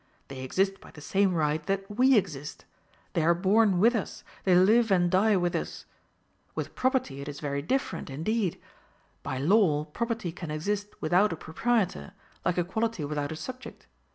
They exist by the same right that we exist; they are born with us, they live and die with us. With property it is very different, indeed. By law, property can exist without a proprietor, like a quality without a subject.